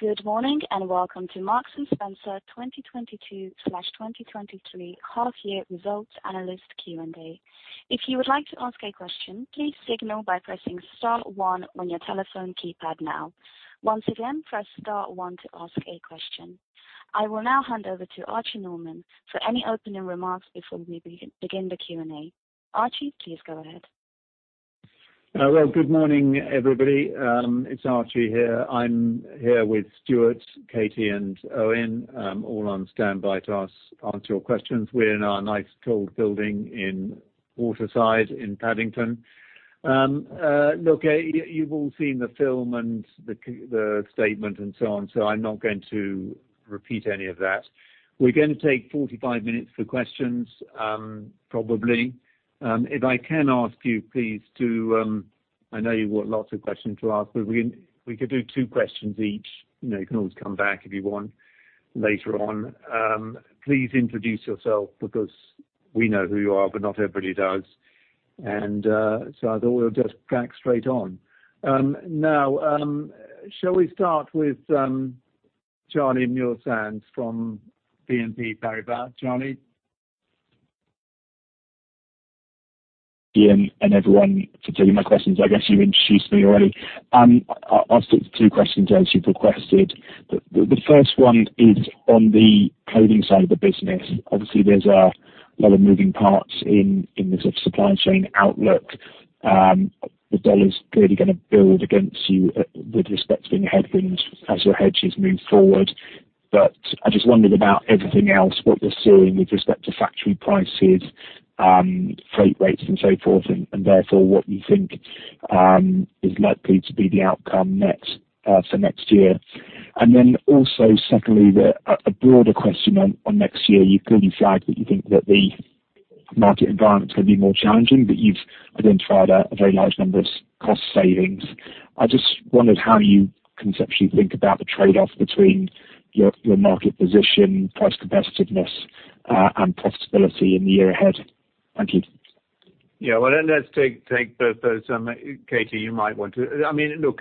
Good morning, and welcome to Marks & Spencer 2022/2023 half year results analyst Q&A. If you would like to ask a question, please signal by pressing star one on your telephone keypad now. Once again, press star one to ask a question. I will now hand over to Archie Norman for any opening remarks before we begin the Q&A. Archie, please go ahead. Well, good morning, everybody. It's Archie here. I'm here with Stuart, Katie, and Eoin, all on standby to answer your questions. We're in our nice tall building in Waterside in Paddington. Look, you've all seen the film and the statement and so on, so I'm not going to repeat any of that. We're gonna take 45 minutes for questions, probably. If I can ask you please to, I know you've got lots of questions to ask, but we could do two questions each. You know, you can always come back if you want later on. Please introduce yourself because we know who you are, but not everybody does. I thought we'll just crack straight on. Now, shall we start with Charlie Mills from BNP Paribas? Charlie. Ian, and everyone for taking my questions. I guess you introduced me already. I'll stick to two questions as you've requested. The first one is on the Clothing & Home side of the business. Obviously, there's a lot of moving parts in the sort of supply chain outlook. The dollar's clearly gonna build against you with respect to any headwinds as your hedges move forward. But I just wondered about everything else, what you're seeing with respect to factory prices, freight rates, and so forth, and therefore what you think is likely to be the outcome for next year. Then also secondly, a broader question on next year. You've clearly flagged that you think that the market environment is gonna be more challenging, but you've identified a very large number of cost savings. I just wondered how you conceptually think about the trade-off between your market position, price competitiveness, and profitability in the year ahead. Thank you. Yeah, well, let's take the first. Katie, you might want to. I mean, look,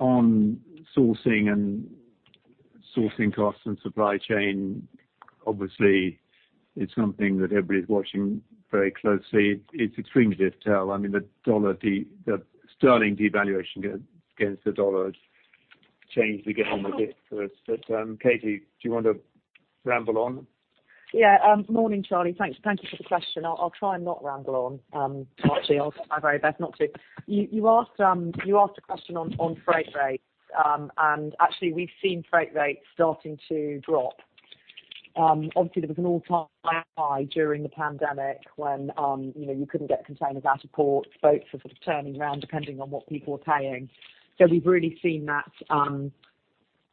on sourcing and sourcing costs and supply chain, obviously it's something that everybody's watching very closely. It's extremely difficult to tell. I mean, the sterling devaluation against the dollar has changed again a bit for us. Katie, do you want to ramble on? Yeah, morning, Charlie. Thanks. Thank you for the question. I'll try and not ramble on, actually. I'll try my very best not to. You asked a question on freight rates. Actually we've seen freight rates starting to drop. Obviously there was an all-time high during the pandemic when, you know, you couldn't get containers out of ports. Boats were sort of turning around depending on what people were paying. We've really seen that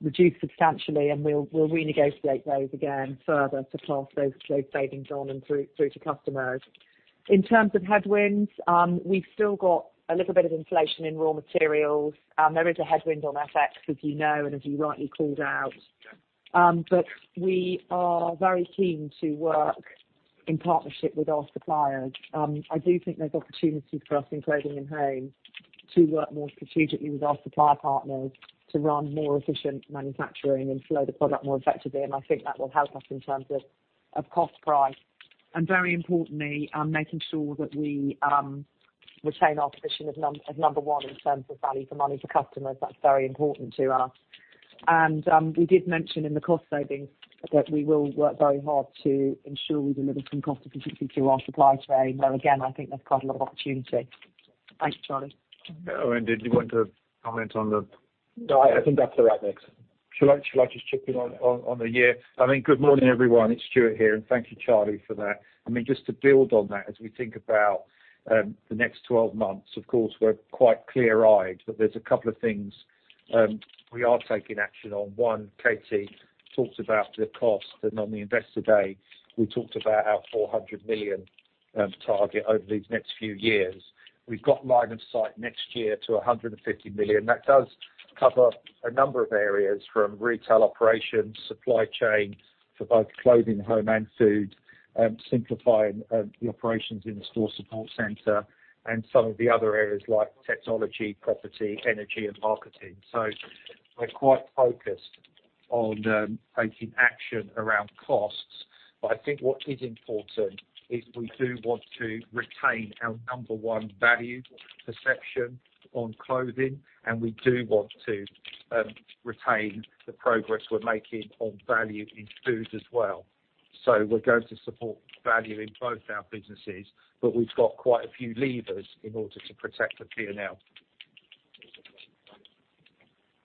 reduce substantially, and we'll renegotiate those again further to pass those cost savings on and through to customers. In terms of headwinds, we've still got a little bit of inflation in raw materials. There is a headwind on FX, as you know, and as you rightly called out. We are very keen to work in partnership with our suppliers. I do think there's opportunity for us in Clothing & Home to work more strategically with our supplier partners to run more efficient manufacturing and flow the product more effectively, and I think that will help us in terms of cost price, and very importantly, making sure that we retain our position as number one in terms of value for money for customers. That's very important to us. We did mention in the cost savings that we will work very hard to ensure we deliver some cost efficiency through our supply chain, where again, I think that's quite a lot of opportunity. Thanks, Charlie. Eoin, did you want to comment on the? No, I think that's all right, thanks. Shall I just chip in on the year? I mean, good morning, everyone. It's Stuart here, and thank you, Charlie, for that. I mean, just to build on that, as we think about the next 12 months, of course, we're quite clear-eyed, but there's a couple of things we are taking action on. One, Katie talked about the cost, and on the Investor Day, we talked about our 400 million target over these next few years. We've got line of sight next year to 150 million. That does cover a number of areas from retail operations, supply chain for both Clothing & Home and food, simplifying the operations in the store support center and some of the other areas like technology, property, energy, and marketing. We're quite focused on taking action around costs. I think what is important is we do want to retain our number one value perception on clothing, and we do want to retain the progress we're making on value in food as well. We're going to support value in both our businesses, but we've got quite a few levers in order to protect the P&L.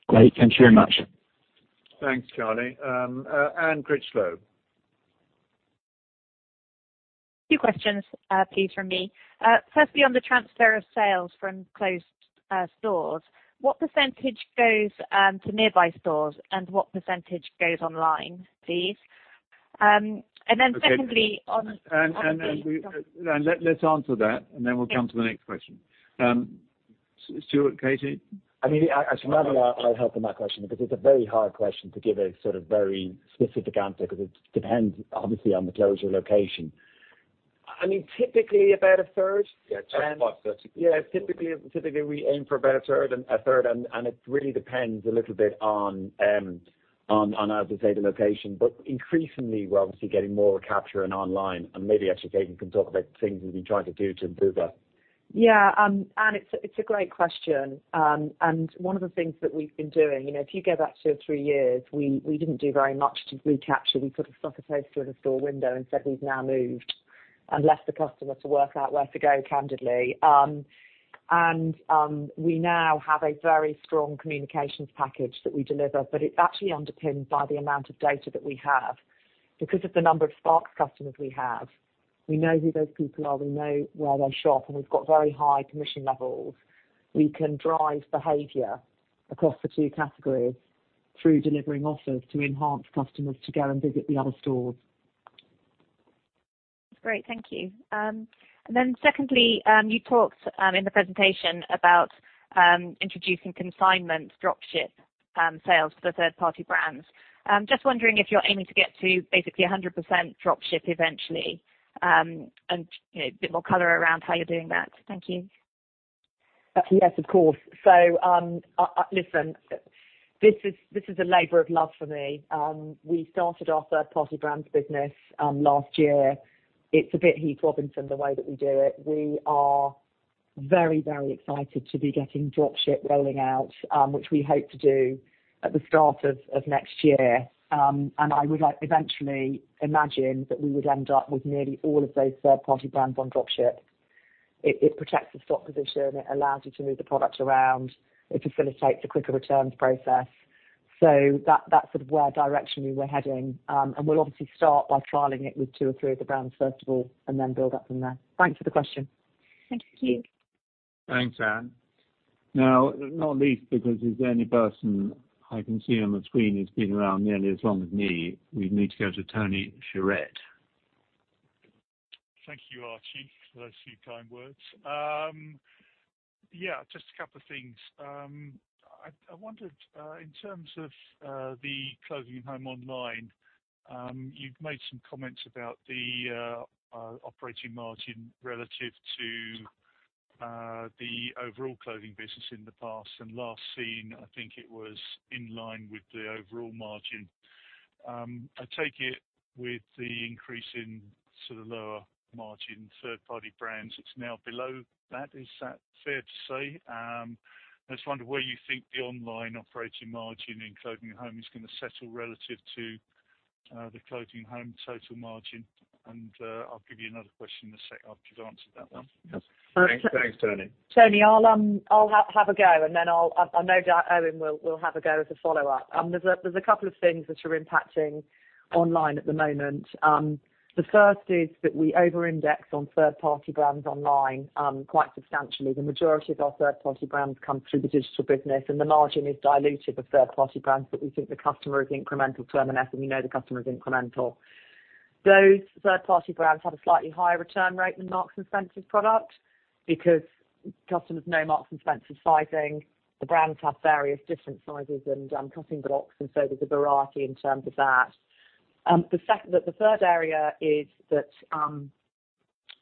Great. Thank you very much. Thanks, Charlie. Anne Critchlow. Two questions, please from me. Firstly, on the transfer of sales from closed stores, what percentage goes to nearby stores, and what percentage goes online, please? Then secondly, on- Let's answer that, and then we'll come to the next question. Stuart, Katie? I mean, I should rather help on that question because it's a very hard question to give a sort of very specific answer because it depends obviously on the closure location. I mean, typically about a third. Yeah. Yeah, typically we aim for about a third and it really depends a little bit on as I say, the location. Increasingly we're obviously getting more capture and online and maybe actually Katie can talk about things we've been trying to do to improve that. Yeah. It's a great question. One of the things that we've been doing, you know, if you go back two or three years, we didn't do very much to recapture. We put a sticker poster in the store window and said, "We've now moved," leaving the customer to work out where to go, candidly. We now have a very strong communications package that we deliver, but it's actually underpinned by the amount of data that we have. Because of the number of Sparks customers we have, we know who those people are, we know where they shop, and we've got very high conversion levels. We can drive behavior across the two categories through delivering offers to encourage customers to go and visit the other stores. Great. Thank you. Secondly, you talked in the presentation about introducing consignment drop ship sales to the third-party brands. Just wondering if you're aiming to get to basically 100% drop ship eventually, and you know, a bit more color around how you're doing that. Thank you. Yes, of course. Listen, this is a labor of love for me. We started our third-party brands business last year. It's a bit Heath Robinson the way that we do it. We are very, very excited to be getting drop ship rolling out, which we hope to do at the start of next year. I would like eventually imagine that we would end up with nearly all of those third-party brands on drop ship. It protects the stock position. It allows you to move the product around. It facilitates a quicker returns process. That's sort of the direction we were heading. We'll obviously start by trialing it with 2 or 3 of the brands first of all, and then build up from there. Thanks for the question. Thank you. Thanks, Anne. Now, not least because he's the only person I can see on the screen who's been around nearly as long as me. We need to go to Tony Shiret. Thank you, Archie, for those few kind words. Yeah, just a couple of things. I wondered in terms of the Clothing & Home online, you've made some comments about the operating margin relative to the overall clothing business in the past. Last seen, I think it was in line with the overall margin. I take it with the increase in sort of lower margin third party brands, it's now below that. Is that fair to say? I just wonder where you think the online operating margin in Clothing & Home is gonna settle relative to the Clothing & Home total margin. I'll give you another question in a sec after you've answered that one. Yes. Thanks. Thanks, Tony. Tony, I'll have a go and then I'm no doubt Eoin will have a go as a follow-up. There's a couple of things which are impacting online at the moment. The first is that we over-index on third-party brands online, quite substantially. The majority of our third-party brands come through the digital business, and the margin is diluted of third-party brands, but we think the customer is incremental to M&S, and we know the customer is incremental. Those third-party brands have a slightly higher return rate than Marks & Spencer's product because customers know Marks & Spencer's sizing. The brands have various different sizes and cutting blocks, and so there's a variety in terms of that. The third area is that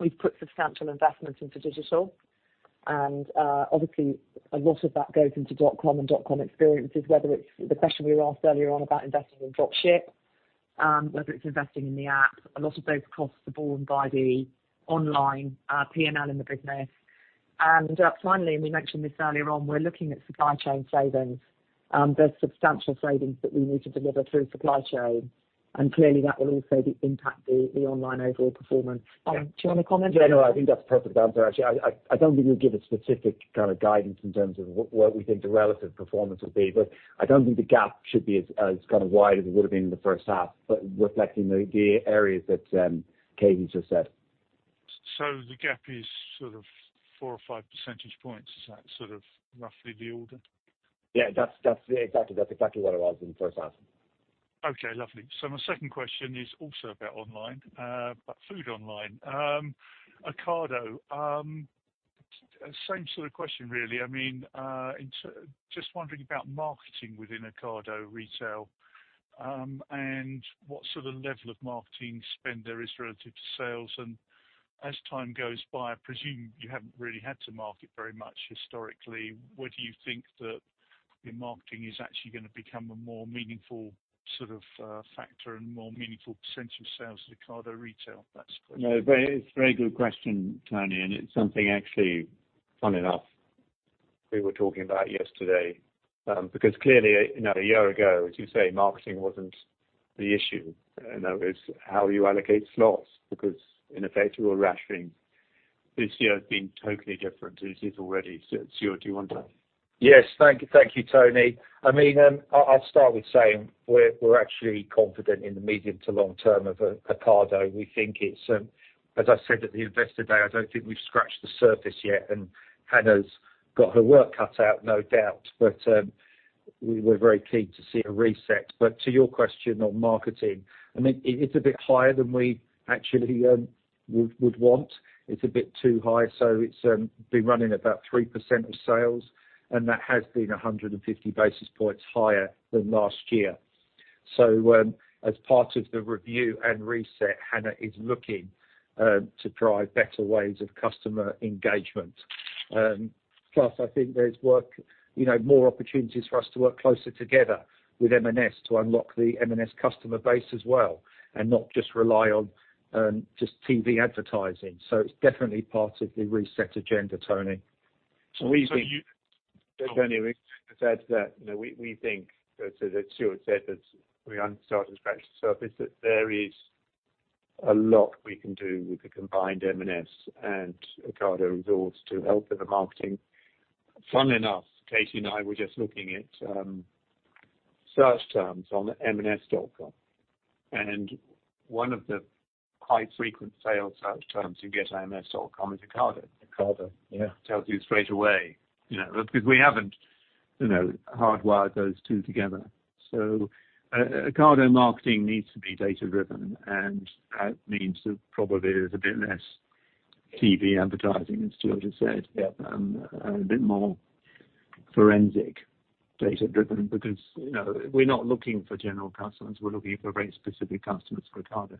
we've put substantial investments into digital and obviously a lot of that goes into dotcom and dotcom experiences, whether it's the question we were asked earlier on about investing in drop ship, whether it's investing in the app, a lot of those costs are borne by the online P&L in the business. Finally, and we mentioned this earlier on, we're looking at supply chain savings. There's substantial savings that we need to deliver through supply chain, and clearly that will also impact the online overall performance. Do you want to comment? Yeah, no, I think that's the perfect answer, actually. I don't think we'll give a specific kind of guidance in terms of what we think the relative performance will be, but I don't think the gap should be as kind of wide as it would've been in the first half. Reflecting the areas that Katie just said. The gap is sort of 4 or 5 percentage points. Is that sort of roughly the order? Yeah, that's exactly what it was in the first half. Okay, lovely. My second question is also about online, but food online. Ocado, same sort of question really. I mean, just wondering about marketing within Ocado Retail, and what sort of level of marketing spend there is relative to sales. As time goes by, I presume you haven't really had to market very much historically. Whether you think that your marketing is actually gonna become a more meaningful sort of factor and more meaningful percent of sales to Ocado Retail. That's the question. No, very, it's a very good question, Tony. It's something actually, funny enough we were talking about yesterday because clearly, you know, a year ago as you say, marketing wasn't the issue and that was how you allocate slots because in effect you were rationing. This year has been totally different. It is already. Stuart, do you want to? Yes. Thank you. Thank you, Tony. I mean, I'll start with saying we're actually confident in the medium to long term of Ocado. We think it's as I said at the investor day, I don't think we've scratched the surface yet, and Hannah's got her work cut out no doubt, but we were very keen to see a reset. To your question on marketing, I mean, it's a bit higher than we actually would want. It's a bit too high. It's been running about 3% of sales and that has been 150 basis points higher than last year. As part of the review and reset, Hannah is looking to drive better ways of customer engagement. Plus I think there's work, you know, more opportunities for us to work closer together with M&S to unlock the M&S customer base as well, and not just rely on just TV advertising. It's definitely part of the reset agenda, Tony. So you- Tony, can I add to that? You know, we think, as Stuart said, that we understand specialist service, that there is a lot we can do with the combined M&S and Ocado resource to help with the marketing. Funnily enough, Katie and I were just looking at search terms on the marksandspencer.com. One of the high frequent sales search terms you get on marksandspencer.com is Ocado. Ocado, yeah. Tells you straight away, you know, because we haven't, you know, hardwired those two together. Ocado marketing needs to be data-driven, and that means that probably there's a bit less TV advertising, as Stuart just said, and a bit more forensic data-driven. You know, we're not looking for general customers, we're looking for very specific customers for Ocado.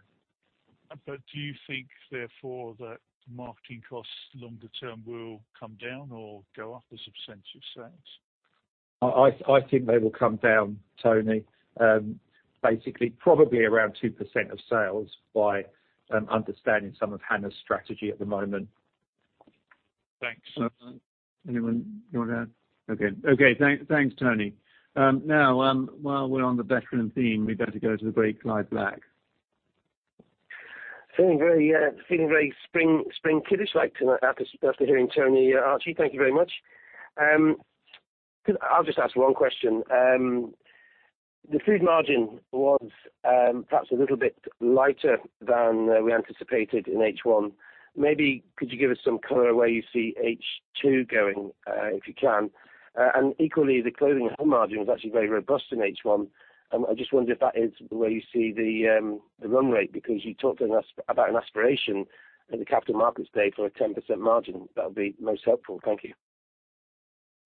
Do you think therefore that marketing costs longer term will come down or go up as a percentage of sales? I think they will come down, Tony. Basically probably around 2% of sales by understanding some of Hannah's strategy at the moment. Thanks. Anyone want to add? Okay. Thanks, Tony. Now, while we're on the background theme, we better go to the great Clive Black. Feeling very spring chicken-ish tonight after hearing Tony, Archie. Thank you very much. I'll just ask one question. The food margin was perhaps a little bit lighter than we anticipated in H1. Maybe could you give us some color where you see H2 going, if you can? Equally, the Clothing & Home margin was actually very robust in H1. I just wonder if that is the way you see the run rate, because you talked to us about an aspiration at the Capital Markets Day for a 10% margin. That would be most helpful. Thank you.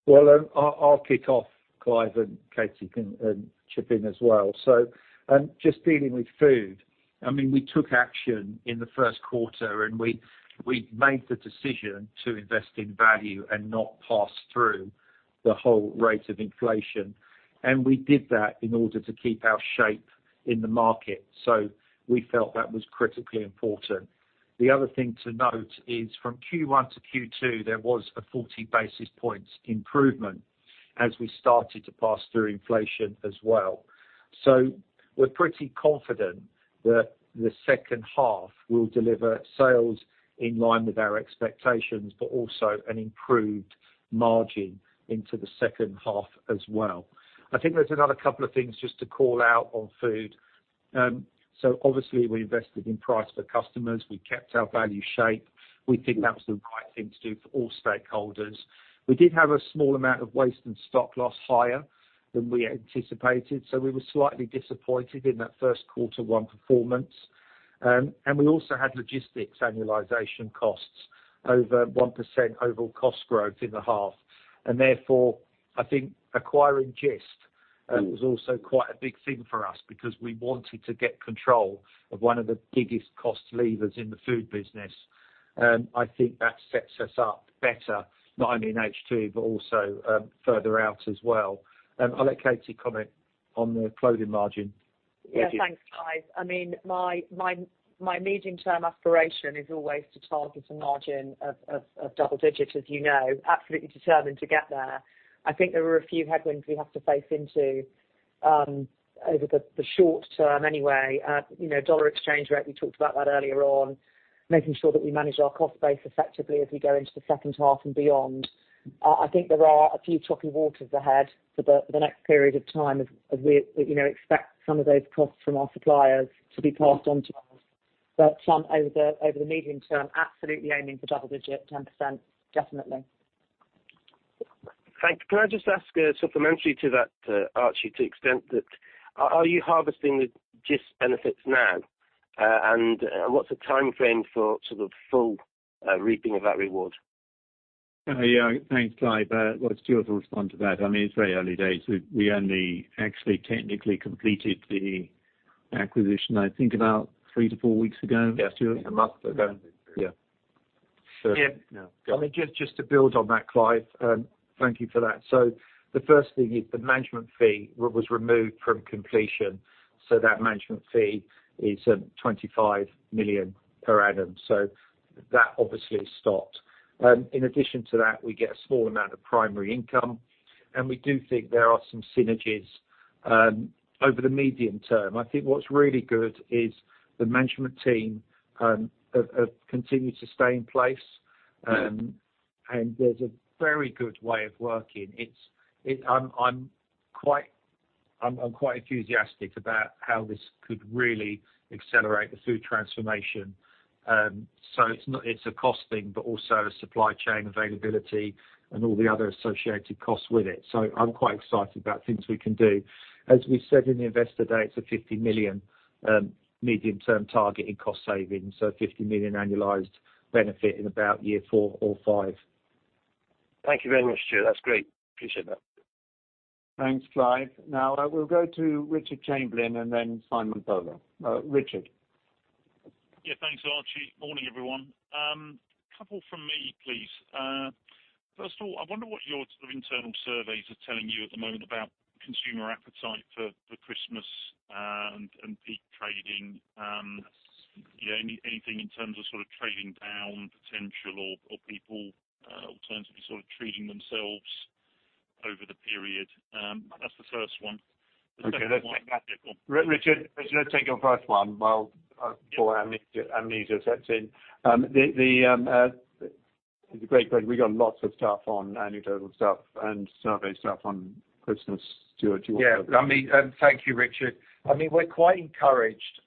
Well, I'll kick off, Clive, and Katie can chip in as well. Just dealing with food. I mean, we took action in the first quarter, and we made the decision to invest in value and not pass through the whole rate of inflation. We did that in order to keep our shape in the market. We felt that was critically important. The other thing to note is from Q1 to Q2, there was a 40 basis points improvement as we started to pass through inflation as well. We're pretty confident that the second half will deliver sales in line with our expectations, but also an improved margin into the second half as well. I think there's another couple of things just to call out on food. Obviously we invested in price for customers. We kept our value shape. We think that was the right thing to do for all stakeholders. We did have a small amount of waste and stock loss higher than we anticipated, so we were slightly disappointed in that first quarter one performance. We also had logistics annualization costs over 1% overall cost growth in the half. Therefore, I think acquiring Gist was also quite a big thing for us because we wanted to get control of one of the biggest cost levers in the food business. I think that sets us up better, not only in H2, but also, further out as well. I'll let Katie comment on the clothing margin. Yeah. Thanks, guys. I mean, my medium-term aspiration is always to target a margin of double digits, as you know. Absolutely determined to get there. I think there are a few headwinds we have to face into over the short term anyway. You know, dollar exchange rate, we talked about that earlier on, making sure that we manage our cost base effectively as we go into the second half and beyond. I think there are a few choppy waters ahead for the next period of time as we expect some of those costs from our suppliers to be passed on to us. But over the medium term, absolutely aiming for double digit, 10%, definitely. Thank you. Can I just ask a supplementary to that, Archie, to extent that are you harvesting the Gist benefits now? What's the timeframe for sort of full, reaping of that reward? Thanks, Clive. Well, Stuart will respond to that. I mean, it's very early days. We only actually technically completed the acquisition, I think about 3-4 weeks ago. Yes. A month ago. Yeah. Yeah. Yeah. Just to build on that, Clive, thank you for that. The first thing is the management fee was removed from completion. That management fee is 25 million per annum. That obviously stopped. In addition to that, we get a small amount of primary income, and we do think there are some synergies over the medium term. I think what's really good is the management team continue to stay in place. There's a very good way of working. I'm quite enthusiastic about how this could really accelerate the food transformation. It's a cost thing, but also a supply chain availability and all the other associated costs with it. I'm quite excited about things we can do. As we said in the investor day, it's a 50 million, medium-term target in cost savings, so a 50 million annualized benefit in about year four or five. Thank you very much, Stuart. That's great. Appreciate that. Thanks, Clive. Now, we'll go to Richard Chamberlain and then Simon Bolton. Richard. Yeah, thanks Archie. Morning, everyone. Couple from me, please. First of all, I wonder what your sort of internal surveys are telling you at the moment about consumer appetite for Christmas and peak trading. Yeah, anything in terms of sort of trading down potential or people alternatively sort of treating themselves over the period. That's the first one. Okay. The second one. Richard, let's take your first one while before amnesia sets in. It's a great point. We got lots of stuff on anecdotal stuff and survey stuff on Christmas. Stuart, do you want to- Yeah, I mean, thank you, Richard. I mean, we're quite encouraged.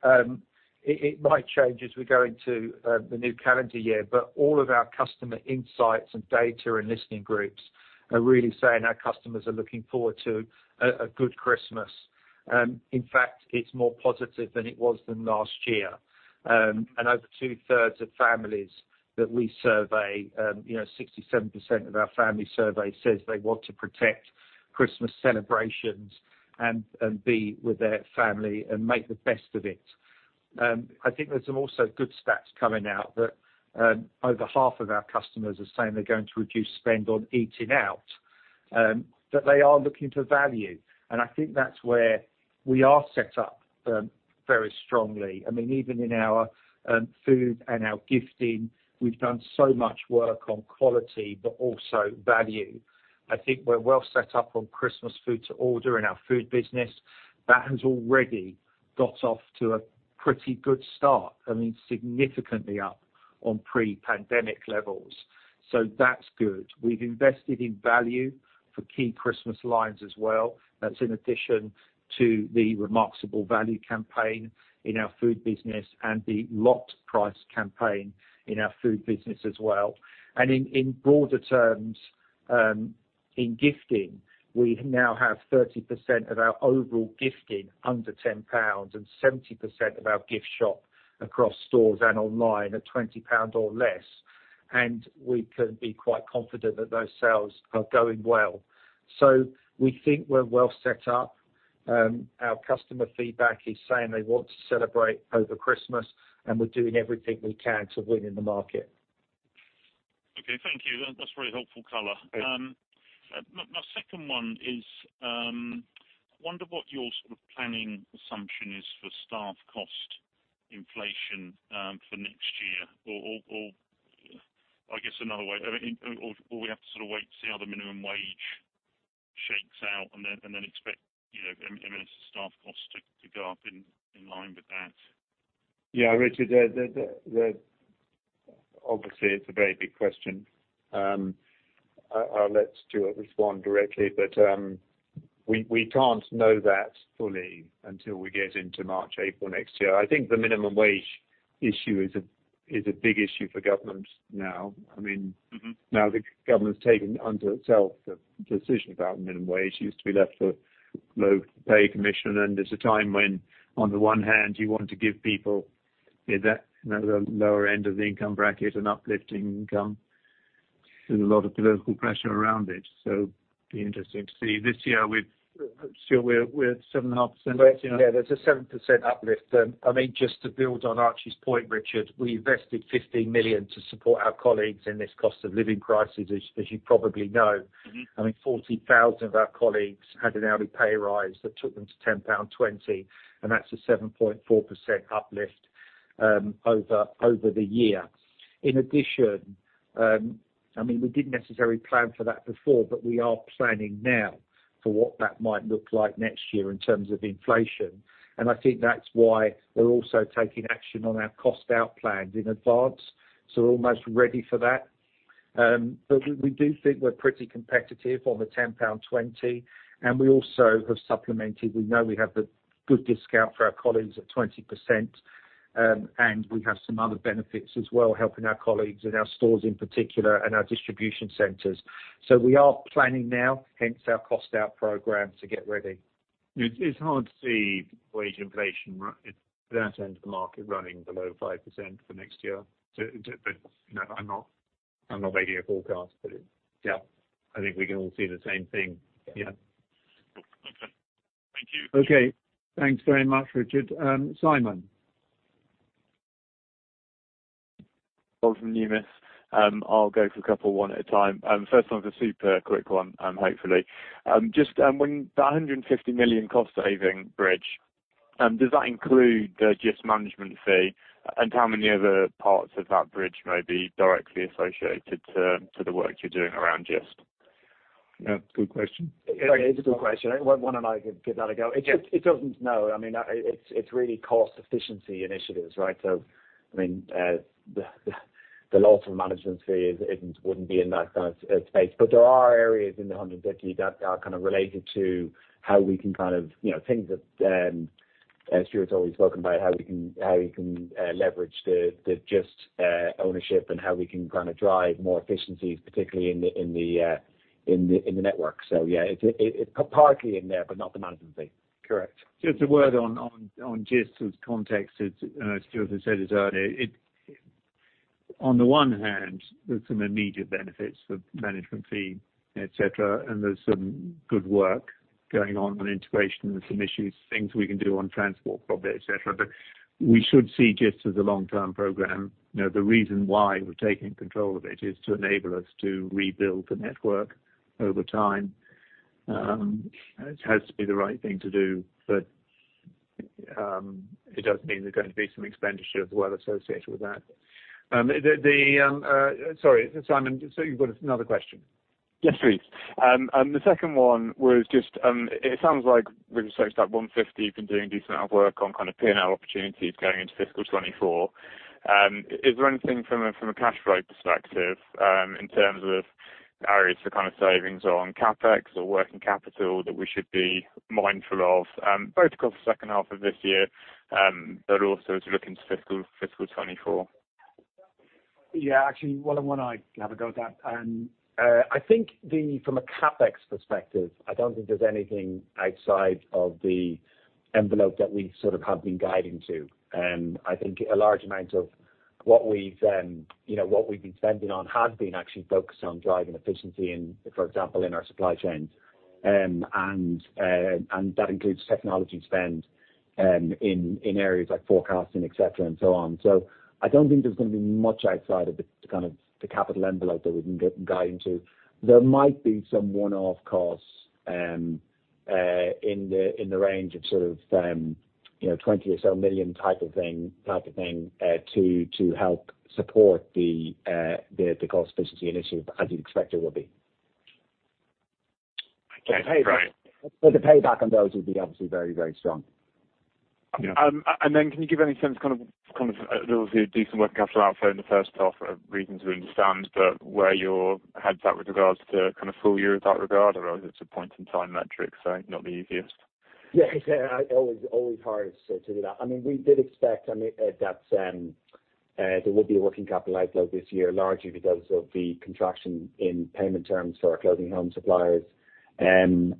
It might change as we go into the new calendar year, but all of our customer insights and data and listening groups are really saying our customers are looking forward to a good Christmas. In fact, it's more positive than it was last year. Over two-thirds of families that we survey, you know, 67% of our family survey says they want to protect Christmas celebrations and be with their family and make the best of it. I think there's also some good stats coming out that over half of our customers are saying they're going to reduce spend on eating out, but they are looking for value. I think that's where we are set up very strongly. I mean, even in our food and our gifting, we've done so much work on quality, but also value. I think we're well set up on Christmas Food to Order in our food business. That has already got off to a pretty good start, I mean, significantly up on pre-pandemic levels. That's good. We've invested in value for key Christmas lines as well. That's in addition to the Remarksable Value campaign in our food business and the Lowered Price campaign in our food business as well. In broader terms, in gifting, we now have 30% of our overall gifting under 10 pounds and 70% of our gift shop across stores and online at 20 pounds or less. We can be quite confident that those sales are going well. We think we're well set up. Our customer feedback is saying they want to celebrate over Christmas, and we're doing everything we can to win in the market. Okay, thank you. That's very helpful color. My second one is wonder what your sort of planning assumption is for staff cost inflation for next year. I guess another way, we have to sort of wait to see how the minimum wage shakes out and then expect you know M&S staff costs to go up in line with that. Yeah, Richard, obviously, it's a very big question. I'll let Stuart respond directly. We can't know that fully until we get into March, April next year. I think the minimum wage issue is a big issue for government now. I mean. Mm-hmm Now the government's taken upon itself the decision about minimum wage. It used to be left for Low Pay Commission, and it's a time when, on the one hand, you want to give people at that, you know, the lower end of the income bracket an uplifting income. There's a lot of political pressure around it. Be interesting to see. This year, Stuart, we're at 7.5%? Yeah, there's a 7% uplift. I mean, just to build on Archie's point, Richard, we invested 15 million to support our colleagues in this cost of living crisis, as you probably know. Mm-hmm. I mean, 40,000 of our colleagues had an hourly pay rise that took them to 10.20 pound, and that's a 7.4% uplift over the year. In addition, I mean, we didn't necessarily plan for that before, but we are planning now for what that might look like next year in terms of inflation. I think that's why we're also taking action on our cost out plans in advance, so we're almost ready for that. We do think we're pretty competitive on the 10.20 pound, and we also have supplemented. We know we have the good discount for our colleagues at 20%. We have some other benefits as well, helping our colleagues in our stores in particular and our distribution centers. We are planning now, hence our cost out program to get ready. It's hard to see wage inflation that end of the market running below 5% for next year. You know, I'm not making a forecast, but yeah, I think we can all see the same thing. Yeah. Okay. Thank you. Okay. Thanks very much, Richard. Simon. Bolton, Numis. I'll go for a couple, one at a time. First one's a super quick one, hopefully. Just, when that 150 million cost saving bridge, does that include the Gist Management Fee? And how many other parts of that bridge may be directly associated to the work you're doing around Gist? Yeah, good question. It's a good question. Why don't I give that a go? It doesn't. No, I mean, it's really cost efficiency initiatives, right? I mean, the loss of management fee wouldn't be in that space. But there are areas in the 150 that are kinda related to how we can kind of, you know, things that, as Stuart's always spoken about, how we can leverage the Gist ownership and how we can kinda drive more efficiencies, particularly in the. In the network. Yeah, it partly in there, but not the management fee. Correct. Just a word on Gist as context. As Stuart has said this earlier, it on the one hand, there's some immediate benefits for management fee, et cetera, and there's some good work going on integration and some issues, things we can do on transport, probably, et cetera. We should see Gist as a long-term program. You know, the reason why we're taking control of it is to enable us to rebuild the network over time. It has to be the right thing to do, but it does mean there's going to be some expenditure as well associated with that. Sorry, Simon, so you've got another question. Yes, please. The second one was just, it sounds like with respect to that 150, you've been doing a decent amount of work on kind of P&L opportunities going into fiscal 2024. Is there anything from a cash flow perspective, in terms of areas for kind of savings on CapEx or working capital that we should be mindful of, both across the second half of this year, but also as you look into fiscal 2024? Yeah, actually, well, I wanna have a go at that. I think from a CapEx perspective, I don't think there's anything outside of the envelope that we sort of have been guiding to. I think a large amount of what we've, you know, what we've been spending on has been actually focused on driving efficiency in, for example, in our supply chains. That includes technology spend in areas like forecasting, et cetera, and so on. I don't think there's gonna be much outside of the kind of the capital envelope that we've been guiding to. There might be some one-off costs in the range of sort of, you know, 20 or so million type of thing to help support the cost efficiency initiative, as you'd expect there will be. Okay, great. The payback on those would be obviously very, very strong. Can you give any sense, kind of, obviously, a decent working capital outflow in the first half for reasons we understand, but where your head's at with regards to kind of full year with that regard, or is it a point in time metric, so not the easiest? Yeah, it's always hard to do that. I mean, we did expect, I mean, that there would be a working capital outflow this year, largely because of the contraction in payment terms for our Clothing & Home suppliers. In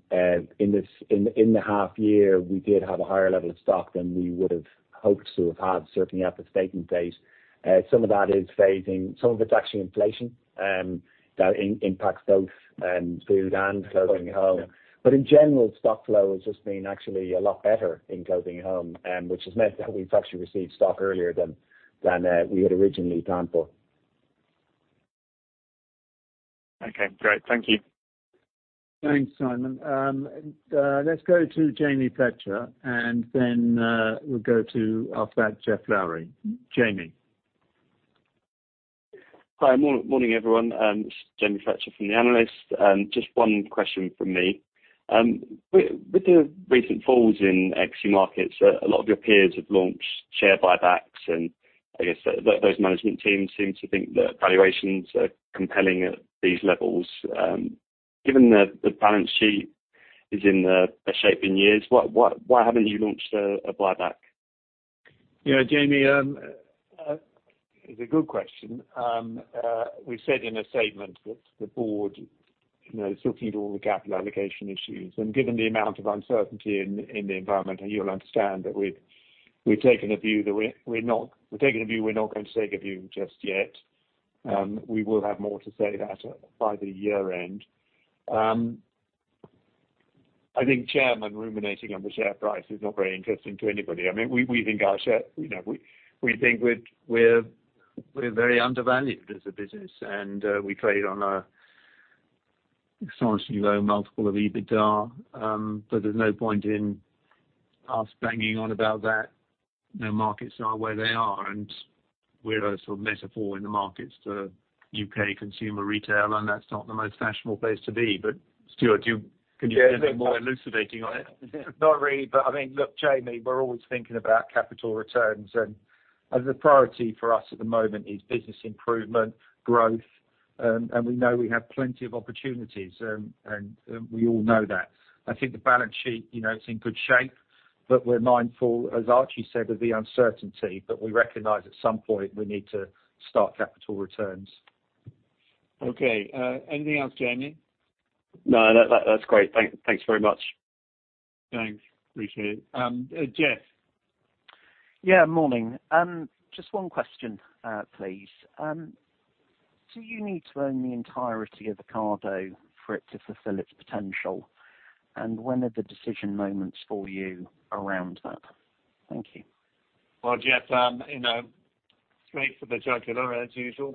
this half year, we did have a higher level of stock than we would've hoped to have had certainly at the statement date. Some of that is phasing. Some of it's actually inflation that impacts both Food and Clothing & Home. In general, stock flow has just been actually a lot better in Clothing & Home, which has meant that we've actually received stock earlier than we had originally planned for. Okay, great. Thank you. Thanks, Simon. Let's go to Jamie Fletcher, and then we'll go to after that, Jeff Lowry. Jamie. Hi. Morning, everyone. This is Jamie Fletcher from the Analyst. Just one question from me. With the recent falls in equity markets, a lot of your peers have launched share buybacks, and I guess those management teams seem to think that valuations are compelling at these levels. Given the balance sheet is in the best shape in years, why haven't you launched a buyback? You know, Jamie, it's a good question. We said in a statement that the board, you know, is looking at all the capital allocation issues. Given the amount of uncertainty in the environment, you'll understand that we've taken a view that we're not going to take a view just yet. We will have more to say that by the year end. I think chairman ruminating on the share price is not very interesting to anybody. I mean, we think our share, you know, we think we're very undervalued as a business, and we trade on a substantially low multiple of EBITDA. But there's no point in us banging on about that. You know, markets are where they are, and we're a sort of metaphor in the markets to U.K. consumer retail, and that's not the most fashionable place to be. Stuart, can you Yeah. Do more elucidating on it? Not really, but I mean, look, Jamie, we're always thinking about capital returns, and the priority for us at the moment is business improvement, growth, and we know we have plenty of opportunities, and we all know that. I think the balance sheet, you know, it's in good shape, but we're mindful, as Archie said, of the uncertainty. We recognize at some point we need to start capital returns. Okay, anything else, Jamie? No, that's great. Thanks very much. Thanks. Appreciate it. Jeff? Yeah, morning. Just one question, please. Do you need to own the entirety of Ocado for it to fulfill its potential? When are the decision moments for you around that? Thank you. Well, Jeff, you know, straight for the jugular as usual.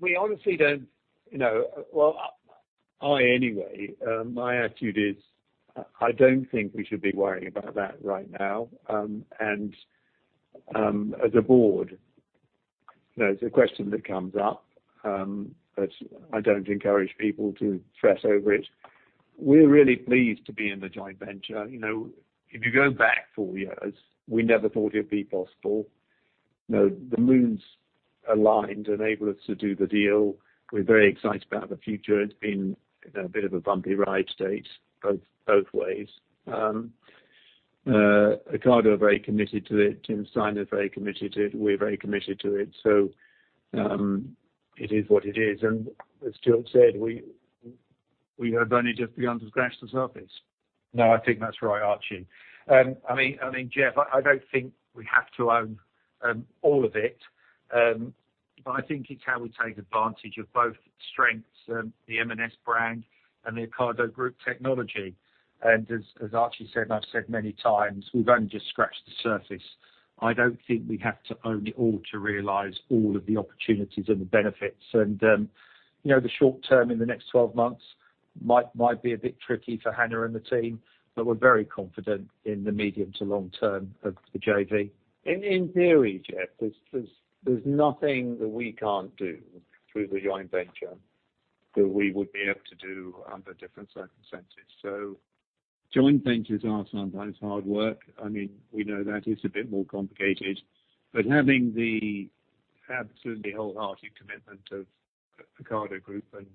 We honestly don't, you know, well, I anyway, my attitude is I don't think we should be worrying about that right now. As a board, you know, it's a question that comes up, but I don't encourage people to fret over it. We're really pleased to be in the joint venture. You know, if you go back four years, we never thought it'd be possible. You know, the moons aligned, enabled us to do the deal. We're very excited about the future. It's been a bit of a bumpy ride to date, both ways. Ocado are very committed to it. Tim Steiner is very committed to it. We're very committed to it. It is what it is. as Stuart said, we have only just begun to scratch the surface. No, I think that's right, Archie. I mean, Jeff, I don't think we have to own all of it. But I think it's how we take advantage of both strengths, the M&S brand and the Ocado Group technology. As Archie said, and I've said many times, we've only just scratched the surface. I don't think we have to own it all to realize all of the opportunities and the benefits. You know, the short term in the next 12 months might be a bit tricky for Hannah and the team, but we're very confident in the medium to long term of the JV. In theory, Jeff, there's nothing that we can't do through the joint venture that we wouldn't be able to do under different circumstances. Joint ventures are sometimes hard work. I mean, we know that it's a bit more complicated, but having the absolutely wholehearted commitment of Ocado Group and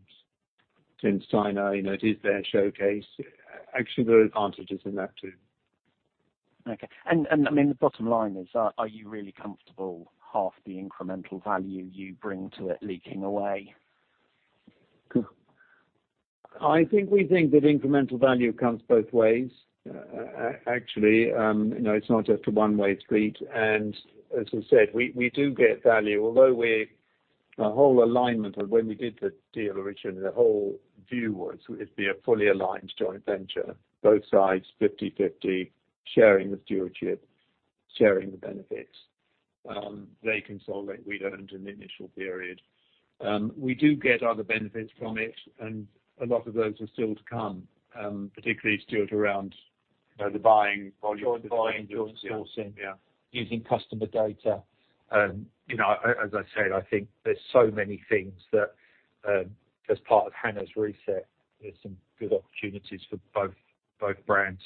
Tim Steiner, you know, it is their showcase, actually, there are advantages in that too. I mean, the bottom line is, are you really comfortable half the incremental value you bring to it leaking away? I think we think that incremental value comes both ways, actually. You know, it's not just a one-way street. As we said, we do get value. Although our whole alignment of when we did the deal originally, the whole view was it'd be a fully aligned joint venture, both sides, 50/50, sharing the stewardship, sharing the benefits. They consolidate, we learned in the initial period. We do get other benefits from it, and a lot of those are still to come, particularly Stuart around, you know, the buying volume. Joint buying, joint sourcing. Yeah. Using customer data. You know, as I said, I think there's so many things that, as part of Hannah's reset, there's some good opportunities for both brands.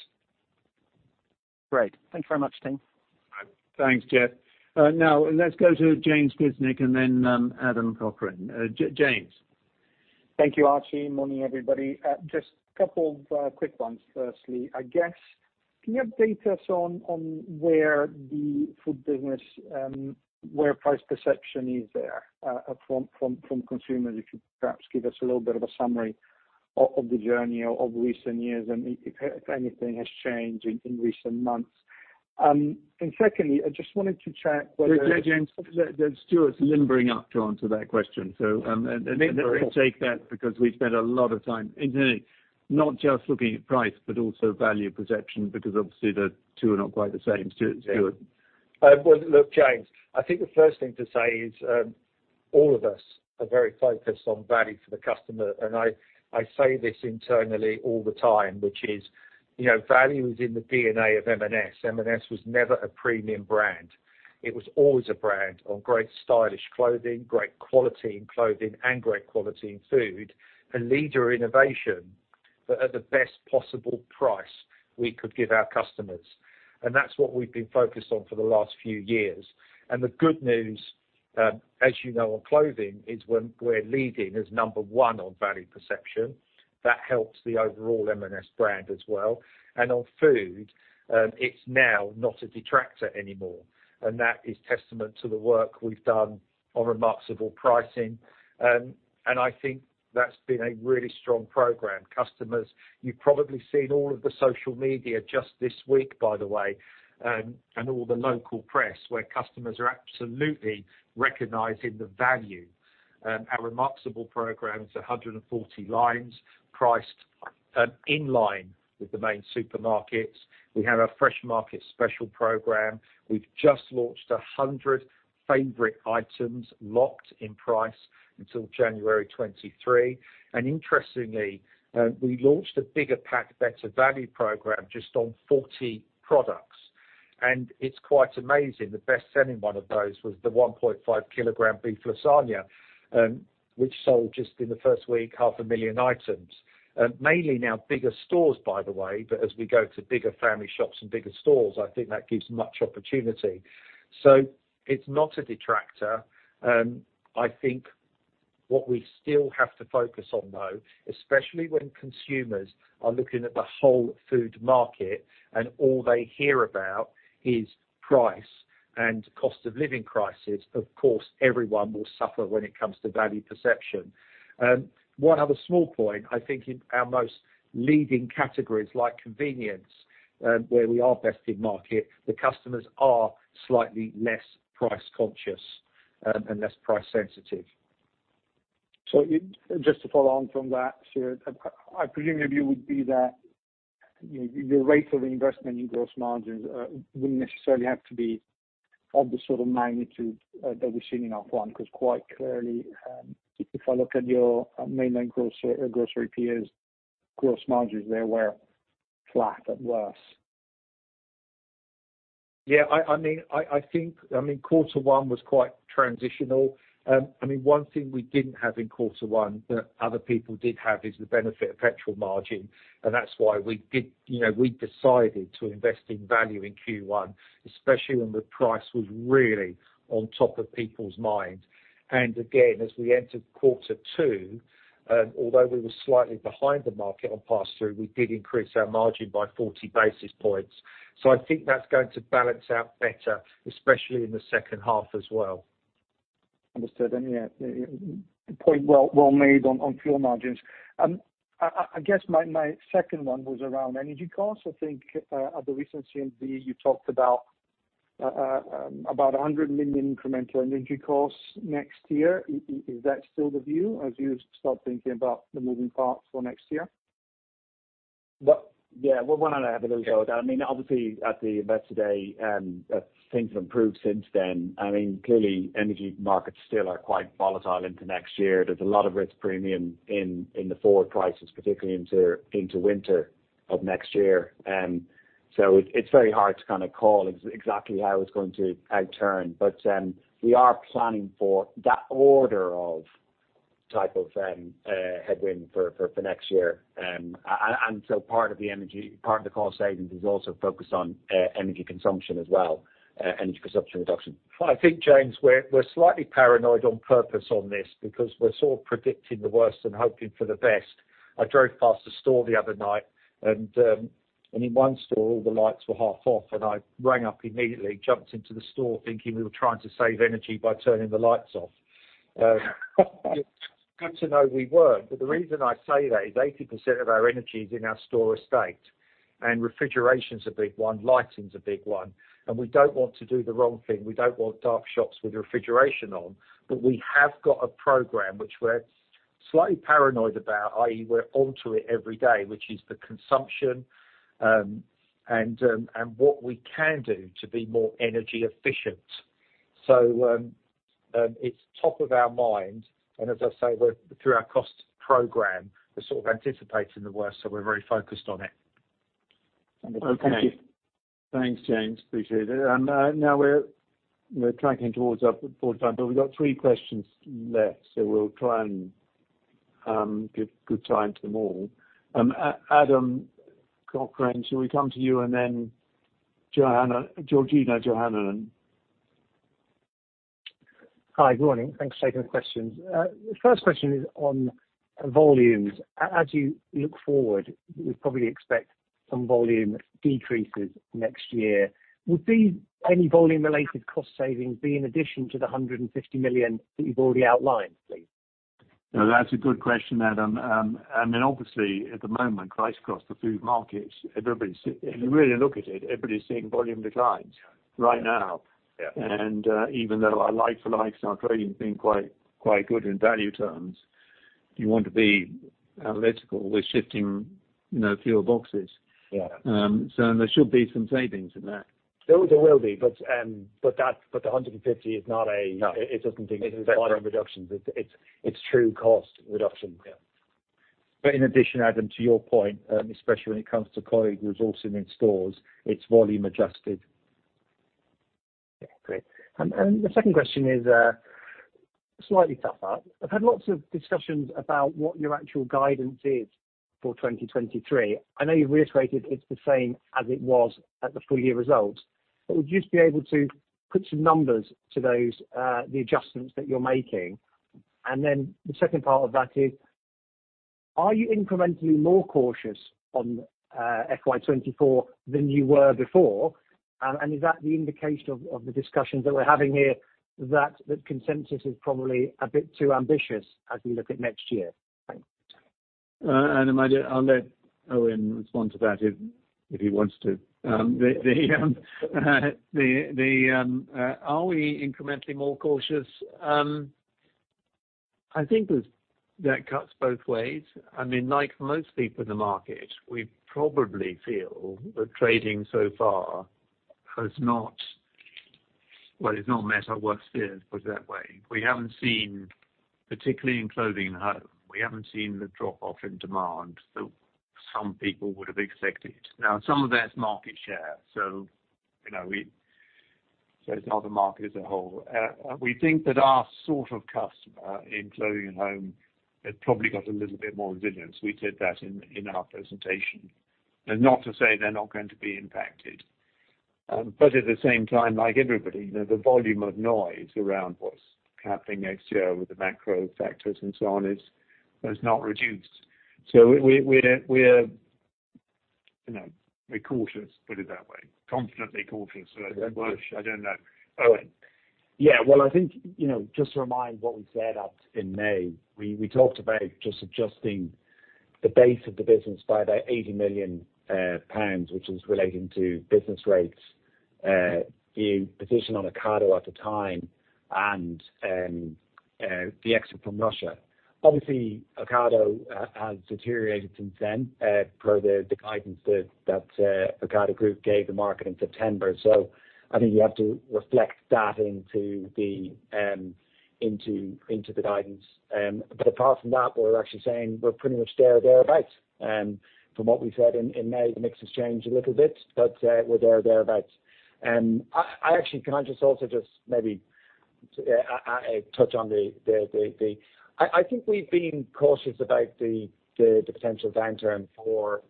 Great. Thank you very much, team. Thanks, Jeff. Now let's go to James Grzinic and then, Adam Cochrane. James. Thank you, Archie. Morning, everybody. Just a couple of quick ones. Firstly, I guess, can you update us on where the food business, where price perception is there, from consumers? If you perhaps give us a little bit of a summary of the journey of recent years and if anything has changed in recent months. Secondly, I just wanted to check whether- James, Stuart's limbering up to answer that question. Take that because we spent a lot of time internally, not just looking at price, but also value perception, because obviously the two are not quite the same. Stuart. Well, look, James, I think the first thing to say is all of us are very focused on value for the customer, and I say this internally all the time, which is, you know, value is in the DNA of M&S. M&S was never a premium brand. It was always a brand on great stylish clothing, great quality in clothing and great quality in food, a leader in innovation, but at the best possible price we could give our customers. That's what we've been focused on for the last few years. The good news, as you know, on clothing is when we're leading as number one on value perception, that helps the overall M&S brand as well. On food, it's now not a detractor anymore. That is testament to the work we've done on remarkable pricing. I think that's been a really strong program. Customers, you've probably seen all of the social media just this week, by the way, and all the local press where customers are absolutely recognizing the value. Our Remarksable program is 140 lines priced in line with the main supermarkets. We have our Fresh Market Specials program. We've just launched 100 favorite items locked in price until January 2023. Interestingly, we launched a bigger pack better value program just on 40 products. It's quite amazing. The best-selling one of those was the 1.5-kilogram beef lasagna, which sold just in the first week, 500,000 items. Mainly now bigger stores, by the way, but as we go to bigger family shops and bigger stores, I think that gives much opportunity. It's not a detractor. I think what we still have to focus on, though, especially when consumers are looking at the whole food market and all they hear about is price and cost of living prices, of course, everyone will suffer when it comes to value perception. One other small point, I think in our most leading categories like convenience, where we are best in market, the customers are slightly less price conscious and less price sensitive. Just to follow on from that, Stuart, I presume your view would be that, you know, the rate of investment in gross margins wouldn't necessarily have to be of the sort of magnitude that we've seen in H1, because quite clearly, if I look at your mainland grocery peers' gross margins, they were flat at worst. Yeah, I mean, I think quarter one was quite transitional. I mean, one thing we didn't have in quarter one that other people did have is the benefit of petrol margin. That's why we did, you know, we decided to invest in value in Q1, especially when the price was really on top of people's mind. Again, as we entered quarter two, although we were slightly behind the market on pass-through, we did increase our margin by 40 basis points. I think that's going to balance out better, especially in the second half as well. Understood. Yeah, point well made on fuel margins. I guess my second one was around energy costs. I think at the recent CMD, you talked about 100 million incremental energy costs next year. Is that still the view as you start thinking about the moving parts for next year? Well, yeah, why don't I have a little go at that? I mean, obviously, at the Investor Day, things have improved since then. I mean, clearly energy markets still are quite volatile into next year. There's a lot of risk premium in the forward prices, particularly into winter of next year. It's very hard to kinda call exactly how it's going to outturn. We are planning for that order of type of headwind for next year. Part of the energy, part of the cost savings is also focused on energy consumption as well, energy consumption reduction. I think, James, we're slightly paranoid on purpose on this because we're sort of predicting the worst and hoping for the best. I drove past a store the other night and in one store all the lights were half off, and I rang up immediately, jumped into the store thinking we were trying to save energy by turning the lights off. Good to know we weren't, but the reason I say that is 80% of our energy is in our store estate, and refrigeration's a big one, lighting's a big one. We don't want to do the wrong thing. We don't want dark shops with refrigeration on. We have got a program which we're slightly paranoid about, i.e., we're onto it every day, which is the consumption and what we can do to be more energy efficient. It's top of our mind, and as I say, we're through our cost program, we're sort of anticipating the worst, so we're very focused on it. Understood. Thank you. Okay. Thanks, James. Appreciate it. Now we're tracking towards our full time, but we've got three questions left, so we'll try and give good time to them all. Adam Cochrane, shall we come to you and then Johanan, Georgina, Johanan then? Hi, good morning. Thanks for taking the questions. The first question is on volumes. As you look forward, we probably expect some volume decreases next year. Would any volume related cost savings be in addition to the 150 million that you've already outlined, please? Now that's a good question, Adam. I mean, obviously at the moment, prices across the food markets. If you really look at it, everybody's seeing volume declines right now. Yeah. even though our like-for-likes and our trading's been quite good in value terms, you want to be analytical. We're shifting, you know, fewer boxes. Yeah. There should be some savings in that. There will be, but the 150 is not a- No. It doesn't think volume reductions. It's true cost reduction. Yeah. In addition, Adam, to your point, especially when it comes to colleague resourcing in stores, it's volume adjusted. Yeah, great. The second question is slightly tougher. I've had lots of discussions about what your actual guidance is for 2023. I know you've reiterated it's the same as it was at the full year results. Would you be able to put some numbers to those adjustments that you're making? Then the second part of that is, are you incrementally more cautious on FY 2024 than you were before? Is that the indication of the discussions that we're having here that the consensus is probably a bit too ambitious as we look at next year? Thanks. I'll let Eoin respond to that if he wants to. Are we incrementally more cautious? I think that cuts both ways. I mean, like most people in the market, we probably feel that trading so far has not, well, it's not met our worst fears, put it that way. We haven't seen, particularly in Clothing & Home, the drop-off in demand that some people would have expected. Now, some of that's market share. You know, it's not the market as a whole. We think that our sort of customer in Clothing & Home has probably got a little bit more resilience. We said that in our presentation. Not to say they're not going to be impacted. At the same time, like everybody, you know, the volume of noise around what's happening next year with the macro factors and so on is, has not reduced. We're, you know, cautious, put it that way. Confidently cautious. I don't know. Eoin. Yeah. Well, I think, you know, just to remind what we said in May, we talked about just adjusting the base of the business by about 80 million pounds, which is relating to business rates, the position on Ocado at the time and the exit from Russia. Obviously, Ocado has deteriorated since then, per the guidance that Ocado Group gave the market in September. I think you have to reflect that into the guidance. But apart from that, we're actually saying we're pretty much thereabout from what we said in May, the mix has changed a little bit, but we're thereabout. I actually can just also just maybe touch on the. I think we've been cautious about the potential downturn for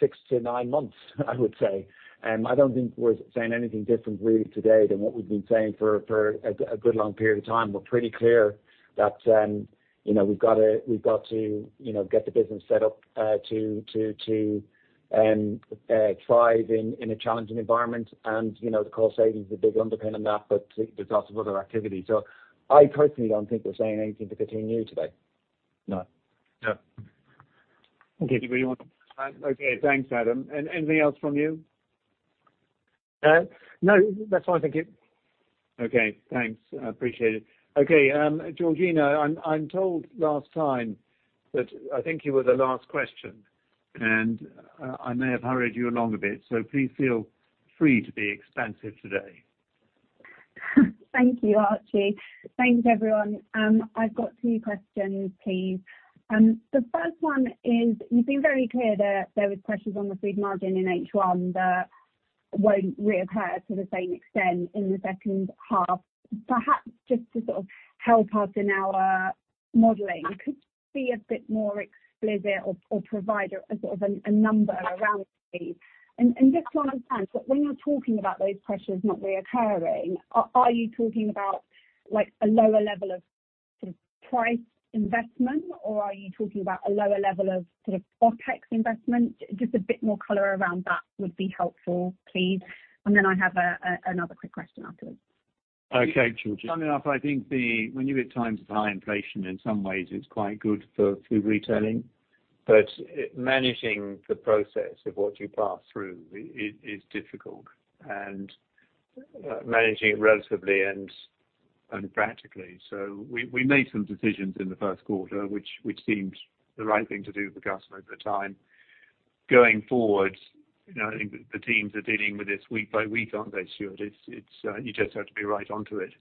6-9 months, I would say. I don't think we're saying anything different really today than what we've been saying for a good long period of time. We're pretty clear that, you know, we've got to get the business set up to thrive in a challenging environment. You know, the cost saving is a big underpin in that, but there's lots of other activity. I personally don't think we're saying anything particularly new today. No. No. Okay. Okay, thanks, Adam. Anything else from you? No, that's all. Thank you. Okay, thanks. I appreciate it. Okay, Georgina, I'm told last time that I think you were the last question, and I may have hurried you along a bit, so please feel free to be expansive today. Thank you, Archie. Thanks, everyone. I've got two questions, please. The first one is, you've been very clear that there was pressures on the food margin in H1 that won't reoccur to the same extent in the second half. Perhaps just to sort of help us in our modeling, could you be a bit more explicit or provide a number around, please? And just to understand, so when you're talking about those pressures not reoccurring, are you talking about like a lower level of sort of price investment, or are you talking about a lower level of sort of OpEx investment? Just a bit more color around that would be helpful, please. And then I have another quick question afterwards. Okay, Georgina. Funnily enough, I think when you're at times of high inflation, in some ways it's quite good for food retailing. Managing the process of what you pass through is difficult and managing it relatively and practically. We made some decisions in the first quarter which seemed the right thing to do for the customer at the time. Going forward, you know, I think the teams are dealing with this week by week, aren't they, Stuart? It's, you just have to be right onto it.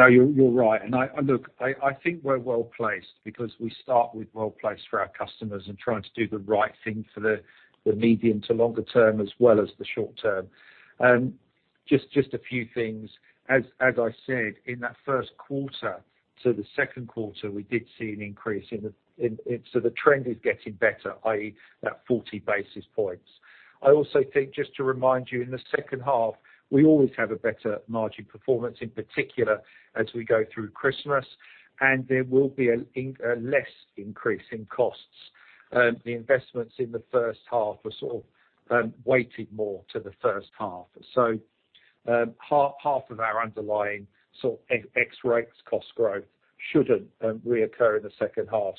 No, you're right. Look, I think we're well-placed because we start with well-placed for our customers and trying to do the right thing for the medium to longer term as well as the short term. Just a few things. As I said, in that first quarter to the second quarter, we did see an increase. So the trend is getting better, i.e., that 40 basis points. I also think, just to remind you, in the second half, we always have a better margin performance, in particular as we go through Christmas, and there will be a less increase in costs. The investments in the first half were sort of weighted more to the first half. Half of our underlying sort of ex-rates cost growth shouldn't reoccur in the second half.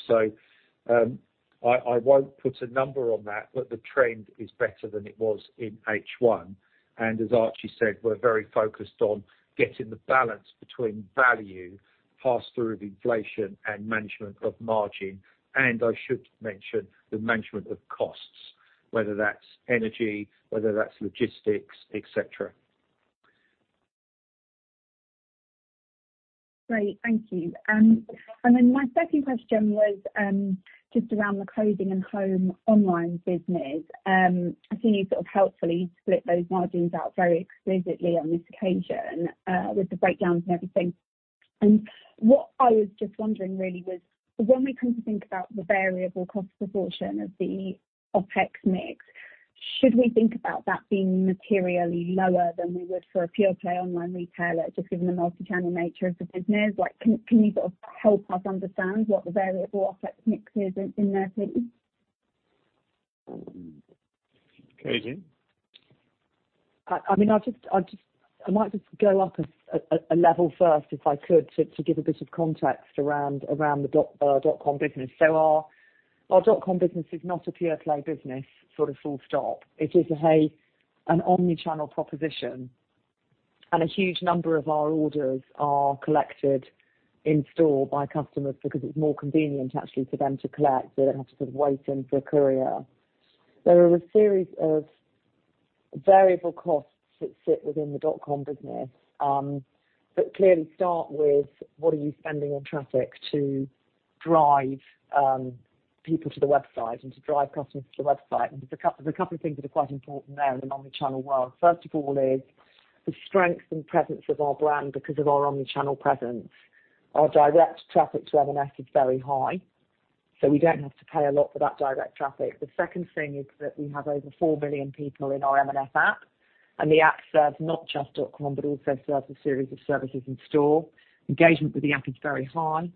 I won't put a number on that, but the trend is better than it was in H1. As Archie Norman said, we're very focused on getting the balance between value, pass-through of inflation, and management of margin. I should mention the management of costs, whether that's energy, whether that's logistics, et cetera. Great. Thank you. Then my second question was just around the Clothing & Home online business. I've seen you sort of helpfully split those margins out very explicitly on this occasion, with the breakdowns and everything. What I was just wondering really was when we come to think about the variable cost proportion of the OpEx mix, should we think about that being materially lower than we would for a pure play online retailer just given the multi-channel nature of the business? Like, can you sort of help us understand what the variable OpEx mix is in there, please? Katie? I mean, I'll just, I might just go up a level first, if I could, to give a bit of context around the dot com business. Our dot com business is not a pure play business, sort of full stop. It is an omni-channel proposition, and a huge number of our orders are collected in-store by customers because it's more convenient actually for them to collect. They don't have to sort of wait in for a courier. There are a series of variable costs that sit within the dot com business that clearly start with what you're spending on traffic to drive people to the website and to drive customers to the website. There's a couple of things that are quite important there in an omni-channel world. First of all is the strength and presence of our brand because of our omni-channel presence. Our direct traffic to M&S is very high, so we don't have to pay a lot for that direct traffic. The second thing is that we have over 4 million people in our M&S app, and the app serves not just dot com, but also serves a series of services in store. Engagement with the app is very high.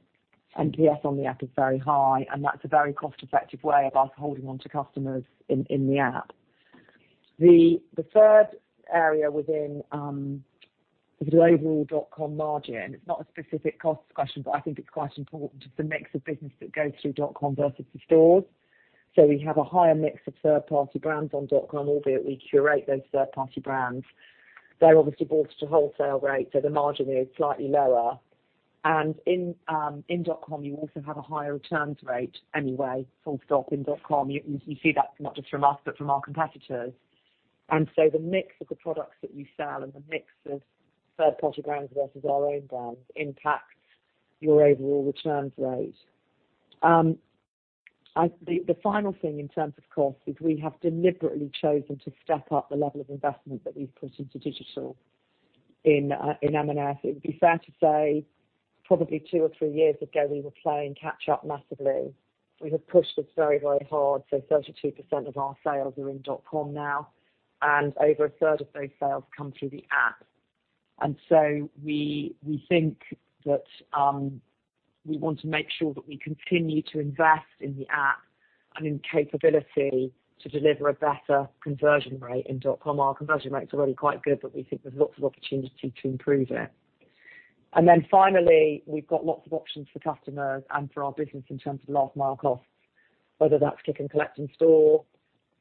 NPS on the app is very high, and that's a very cost-effective way of us holding on to customers in the app. The third area within the overall dot com margin, it's not a specific cost question, but I think it's quite important, is the mix of business that goes through dot com versus the stores. We have a higher mix of third-party brands on dot com, albeit we curate those third-party brands. They're obviously bought at a wholesale rate, so the margin is slightly lower. In dot com, you also have a higher returns rate anyway, full stop. In dot com, you see that not just from us, but from our competitors. The mix of the products that we sell and the mix of third-party brands versus our own brands impacts your overall returns rate. The final thing in terms of cost is we have deliberately chosen to step up the level of investment that we've put into digital in M&S. It would be fair to say probably two or three years ago, we were playing catch up massively. We have pushed this very, very hard. 32% of our sales are in dot com now, and over a third of those sales come through the app. We think that we want to make sure that we continue to invest in the app and in capability to deliver a better conversion rate in dotcom. Our conversion rates are already quite good, but we think there's lots of opportunity to improve it. Finally, we've got lots of options for customers and for our business in terms of last mile costs. Whether that's click and collect in store,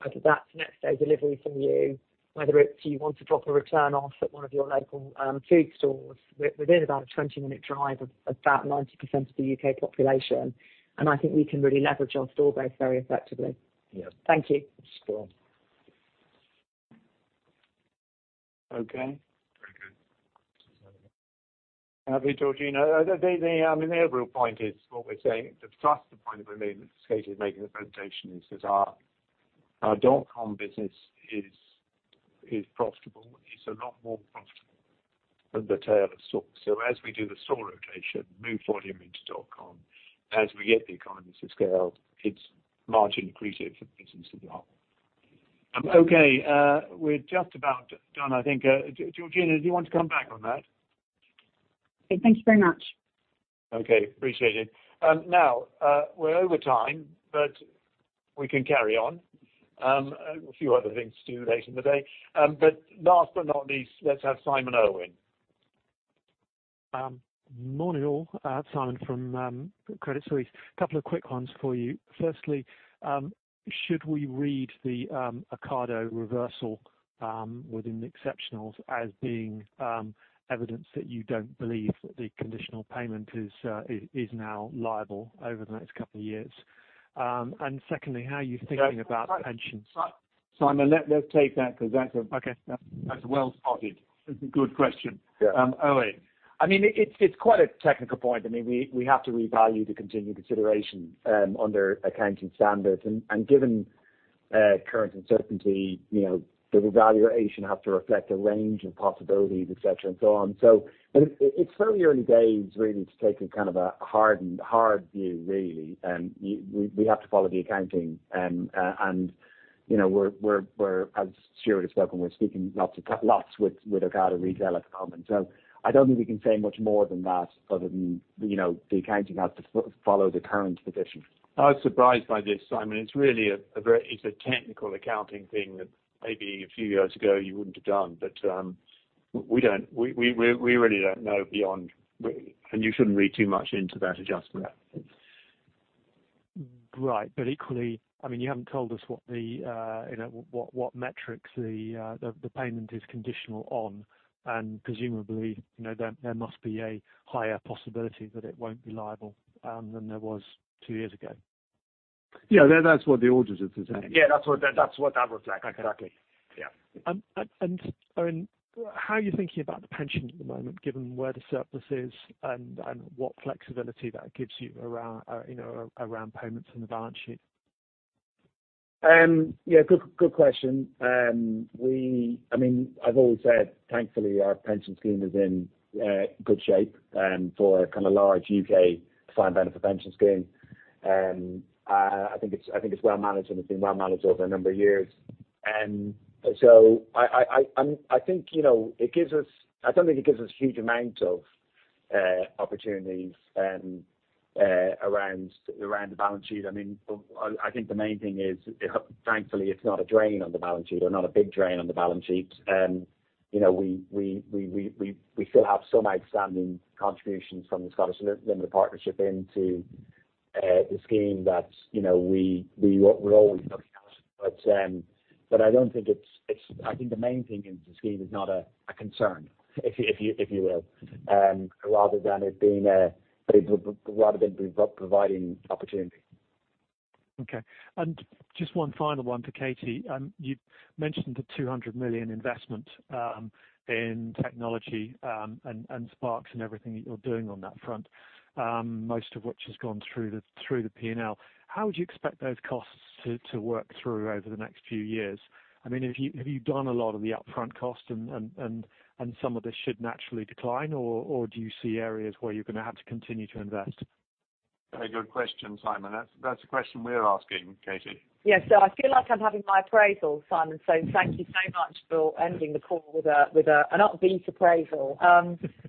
whether that's next day delivery from you, whether it's you want to drop a return off at one of your local food stores. Within about a 20-minute drive of about 90% of the U.K. population, and I think we can really leverage our store base very effectively. Yeah. Thank you. Sure. Okay. Very good. Have you, Georgina? The overall point is what we're saying. I mean, the thrust of the point that we're making, Katie's making the presentation is that our dotcom business is profitable. It's a lot more profitable than the tail end stores. As we do the store rotation, move volume into dotcom, as we get the economies of scale, it's margin accretive for the business as a whole. Okay, we're just about done, I think. Georgina, do you want to come back on that? Okay, thank you very much. Okay, appreciate it. Now, we're over time, but we can carry on. A few other things to do later in the day. Last but not least, let's have Simon Irwin. Morning all. Simon from Credit Suisse. A couple of quick ones for you. Firstly, should we read the Ocado reversal within the exceptionals as being evidence that you don't believe that the conditional payment is now liable over the next couple of years? Secondly, how are you thinking about pensions? Simon, let's take that 'cause that's a- Okay. That's well spotted. Good question. Yeah. Eoin. I mean, it's quite a technical point. I mean, we have to revalue the contingent consideration under accounting standards. Given current uncertainty, you know, the revaluation have to reflect a range of possibilities, etc. and so on. It's very early days really to take a kind of a hardened view really. We have to follow the accounting. You know, we're as Stuart has spoken, we're speaking lots with Ocado Retail at the moment. I don't think we can say much more than that other than, you know, the accounting has to follow the current position. I was surprised by this, Simon. It's really a very technical accounting thing that maybe a few years ago you wouldn't have done. We really don't know beyond and you shouldn't read too much into that adjustment. Right. Equally, I mean, you haven't told us you know what metrics the payment is conditional on, and presumably, you know, there must be a higher possibility that it won't be payable than there was two years ago. Yeah. That's what the auditors have said. Yeah, that's what that looks like. Exactly. Yeah. How are you thinking about the pension at the moment, given where the surplus is and what flexibility that gives you around, you know, around payments in the balance sheet? Yeah, good question. I mean, I've always said thankfully our pension scheme is in good shape for a kinda large U.K. defined benefit pension scheme. I think it's well managed and it's been well managed over a number of years. I think, you know, I don't think it gives us huge amounts of opportunities around the balance sheet. I mean, I think the main thing is thankfully, it's not a drain on the balance sheet or not a big drain on the balance sheet. You know, we still have some outstanding contributions from the Scottish Limited Partnership into the scheme that, you know, we're always looking at. I think the main thing in the scheme is not a concern, if you will, rather than providing opportunity. Okay. Just one final one for Katie. You mentioned the 200 million investment in technology, and Sparks and everything that you're doing on that front, most of which has gone through the P&L. How would you expect those costs to work through over the next few years? I mean, have you done a lot of the upfront cost and some of this should naturally decline or do you see areas where you're gonna have to continue to invest? Very good question, Simon. That's a question we're asking, Katie. Yes. I feel like I'm having my appraisal, Simon, so thank you so much for ending the call with an upbeat appraisal.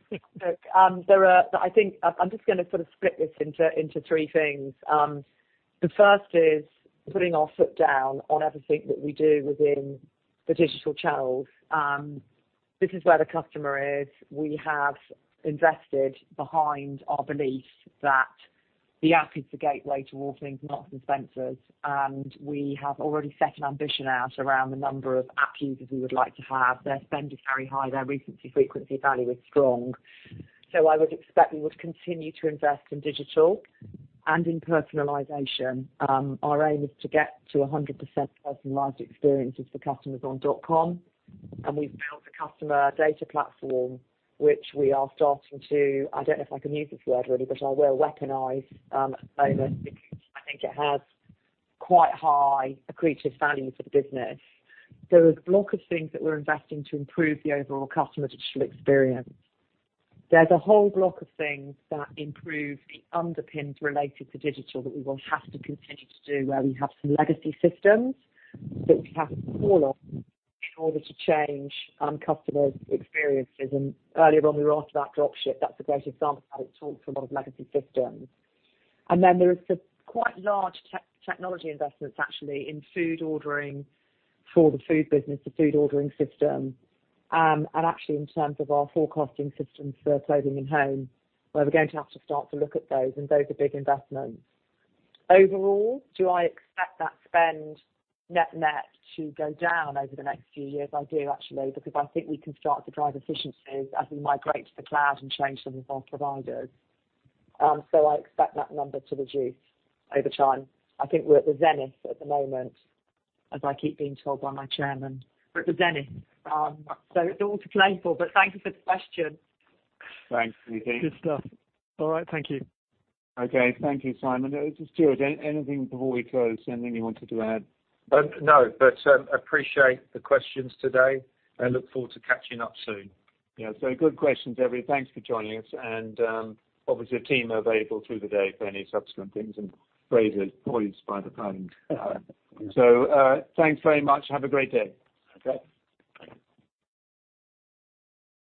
Look, I think I'm just gonna sort of split this into three things. The first is putting our foot down on everything that we do within the digital channels. This is where the customer is. We have invested behind our belief that the app is the gateway to all things Marks & Spencer's, and we have already set an ambition out around the number of app users we would like to have. Their spend is very high. Their recency, frequency, value is strong. I would expect we would continue to invest in digital and in personalization. Our aim is to get to 100% personalized experiences for customers on dotcom. We've built a customer data platform which we are starting to, I don't know if I can use this word really, but I will weaponize over because I think it has quite high accretive value for the business. There is a block of things that we're investing to improve the overall customer digital experience. There's a whole block of things that improve the underpinnings related to digital that we will have to continue to do, where we have some legacy systems that we have to call on in order to change customers' experiences. Earlier on, we were asked about drop ship. That's a great example of how it talks to a lot of legacy systems. There is the quite large technology investments actually in food ordering for the food business, the food ordering system, and actually in terms of our forecasting systems for Clothing & Home, where we're going to have to start to look at those, and those are big investments. Overall, do I expect that spend net to go down over the next few years? I do actually, because I think we can start to drive efficiencies as we migrate to the cloud and change some of our providers. I expect that number to reduce over time. I think we're at the zenith at the moment, as I keep being told by my chairman, we're at the zenith. It's all to play for, but thank you for the question. Thanks, Katie. Good stuff. All right. Thank you. Okay. Thank you, Simon. Stuart, anything before we close? Anything you wanted to add? No, but appreciate the questions today and look forward to catching up soon. Yeah. Good questions, everybody. Thanks for joining us and, obviously the team are available through the day for any subsequent things and phrases, points by the pound. Thanks very much. Have a great day. Okay. Bye.